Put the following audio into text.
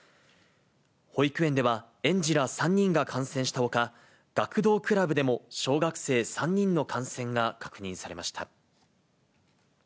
保育園では、園児ら３人が感染したほか、学童クラブでも小学生３人の感染が確認されました。